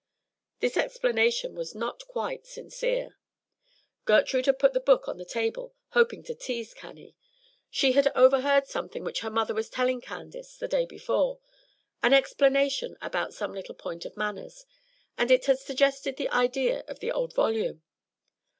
This explanation was not quite sincere. Gertrude had put the book on the table, hoping to tease Cannie. She had overheard something which her mother was telling Candace the day before, an explanation about some little point of manners, and it had suggested the idea of the old volume.